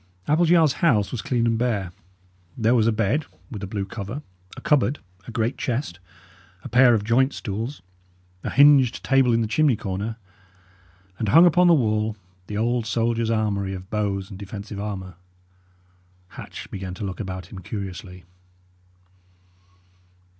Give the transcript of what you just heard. Appleyard's house was clean and bare. There was a bed, with a blue cover, a cupboard, a great chest, a pair of joint stools, a hinged table in the chimney corner, and hung upon the wall the old soldier's armoury of bows and defensive armour. Hatch began to look about him curiously.